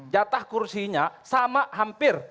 jatah kursinya sama hampir